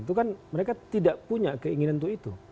itu kan mereka tidak punya keinginan untuk itu